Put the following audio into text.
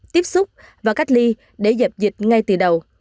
tiếp xúc và cách ly để dập dịch ngay từ đầu